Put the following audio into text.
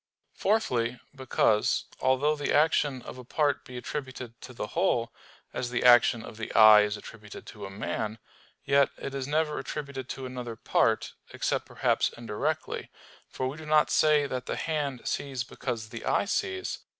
Fourthly, because, although the action of a part be attributed to the whole, as the action of the eye is attributed to a man; yet it is never attributed to another part, except perhaps indirectly; for we do not say that the hand sees because the eye sees.